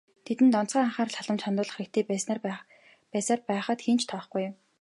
Тэдэнд онцгой анхаарал халамж хандуулах хэрэгтэй байсаар байхад хэн ч тоохгүй.